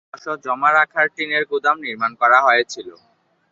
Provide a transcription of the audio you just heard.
শস্য জমা রাখার টিনের গুদাম নির্মাণ করা হয়েছিলো।